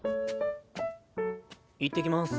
いってきます。